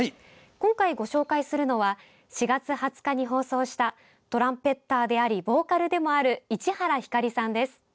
今回ご紹介するのは４月２０日に放送したトランペッターでありボーカルでもある市原ひかりさんです。